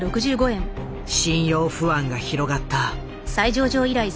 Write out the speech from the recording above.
信用不安が広がった。